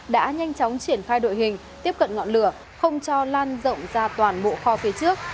đã nhanh chóng triển khai đội hình tiếp cận ngọn lửa không cho lan rộng ra toàn bộ kho phía trước